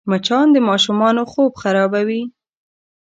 مچان د ماشومانو خوب خرابوي